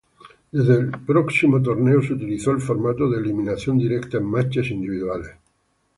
Desde el próximo torneo, se utilizó el formato de eliminación directa en "matches" individuales.